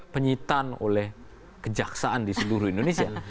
penyitaan oleh kejaksaan di seluruh indonesia